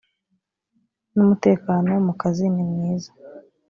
n umutekano mu kazi nimwiza